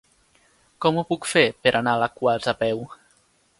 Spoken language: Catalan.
Com ho puc fer per anar a Alaquàs a peu?